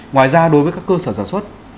ngoài ra đối với các cơ sở sản xuất